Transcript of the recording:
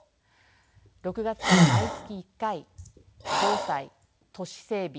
６月から毎月１回防災都市整備